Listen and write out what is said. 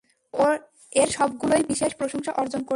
এর সবগুলোই বিশেষ প্রশংসা অর্জন করেছিল।